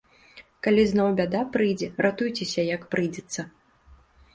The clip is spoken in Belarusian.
Калі зноў бяда прыйдзе, ратуйцеся, як прыйдзецца.